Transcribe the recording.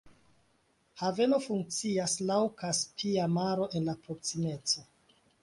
Haveno funkcias laŭ Kaspia Maro en la proksimeco.